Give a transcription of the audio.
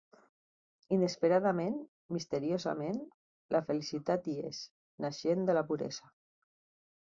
Inesperadament, misteriosament, la felicitat hi és, naixent de la puresa.